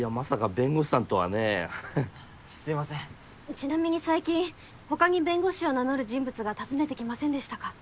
ちなみに最近他に弁護士を名乗る人物が訪ねてきませんでしたか？